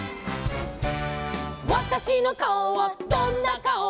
「わたしのかおはどんなかお」